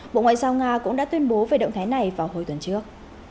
bộ ngoại giao nga cũng đã tuyên bố về động thái này vào hồi tuần trước